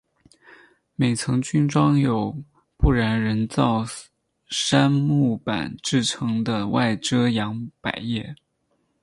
每层均装有不燃人造杉木板制成的外遮阳百叶。